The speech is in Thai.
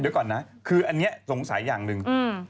เดี๋ยวก่อนนะคืออันนี้สงสัยอย่างหนึ่ง